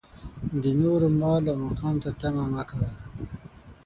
د نورو مال او مقام ته طمعه مه کوه.